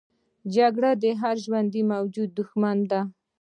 جګړه د هر ژوندي موجود دښمنه ده